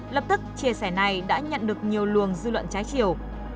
lập tức chia sẻ này đã nhận được nhiều luồng dư luận trái chiều